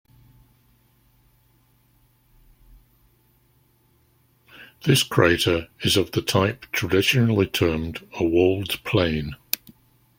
This crater is of the type traditionally termed a walled plain.